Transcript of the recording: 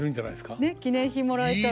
ねえ記念品もらえたら。